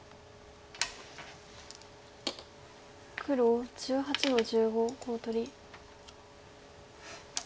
黒１８の十五コウ取り。